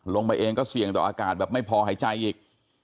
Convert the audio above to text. ลงไปเองก็เสี่ยงต่ออากาศแบบไม่พอหายใจอีก